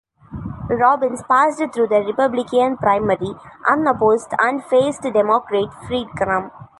Robbins passed through the Republican Primary unopposed and faced Democrat Fred Crum.